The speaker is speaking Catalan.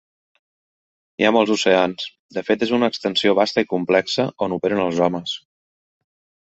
Hi ha molts oceans, de fet és una "extensió vasta i complexa" on operen els homes.